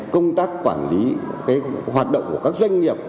công tác quản lý hoạt động của các doanh nghiệp